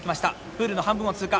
プールの半分を通過。